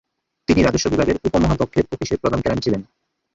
তিনি রাজস্ব বিভাগের উপমহাধ্যক্ষের অফিসে প্রধান কেরানি ছিলেন।